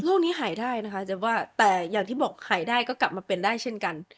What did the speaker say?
นี้หายได้นะคะเจ๊ว่าแต่อย่างที่บอกหายได้ก็กลับมาเป็นได้เช่นกัน